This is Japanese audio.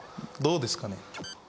どうですかね。